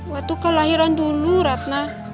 waktu kelahiran dulu ratna